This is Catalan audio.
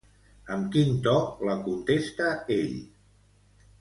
Amb quin to la contesta ell?